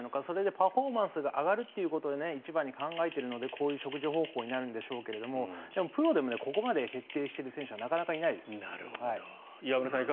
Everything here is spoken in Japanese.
それでパフォーマンスが上がるということを一番に考えているのでこういう食事法になるのでしょうがでもプロでもここまで徹底している選手はなかなかいないです。